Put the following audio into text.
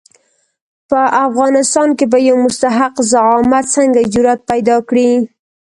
په افغانستان کې به یو مستحق زعامت څنګه جرآت پیدا کړي.